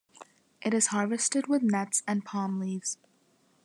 It is harvested with nets and palm leaves.